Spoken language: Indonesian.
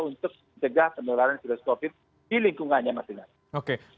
untuk menjaga penularan virus covid sembilan belas di lingkungannya masing masing